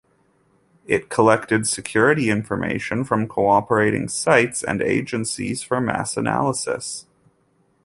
It collected security information from cooperating sites and agencies for mass analysis.